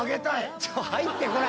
ちょっと入って来ない。